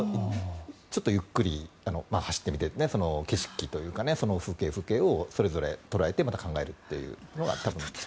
ちょっとゆっくり走ってみて景色というか風景、風景をそれぞれ捉えてまた考えるというのが。